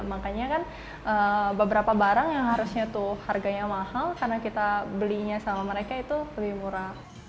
makanya kan beberapa barang yang harusnya tuh harganya mahal karena kita belinya sama mereka itu lebih murah